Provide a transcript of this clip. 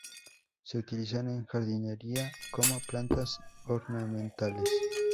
Se utilizan en jardinería como plantas ornamentales.